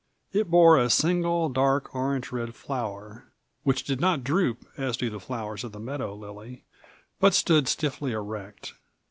It bore a single dark orange red flower, which did not droop as do the flowers of the meadow lily, but stood stiffly erect.